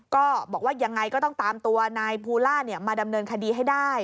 ก็บอกว่ายังไงก็ต้องตามตัวนายภูล่ามาดำเนินคดีให้ได้